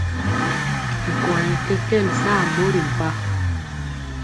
Nkɔyɛ kɛkɛn saa mori mpa.